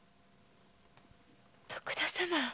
徳田様！？